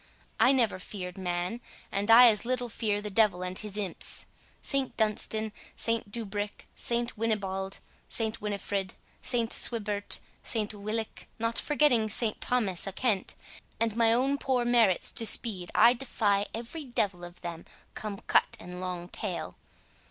I never feared man, and I as little fear the devil and his imps. Saint Dunstan, Saint Dubric, Saint Winibald, Saint Winifred, Saint Swibert, Saint Willick, not forgetting Saint Thomas a Kent, and my own poor merits to speed, I defy every devil of them, come cut and long tail.